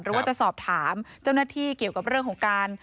หรือว่าจะสอบถามเจ้าหน้าที่เกี่ยวกับเรื่องของการ